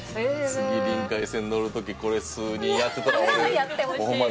次りんかい線乗る時これ数人やってたら俺もうホンマ